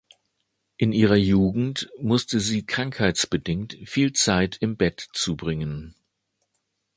In ihrer Jugend musste sie krankheitsbedingt viel Zeit im Bett zubringen.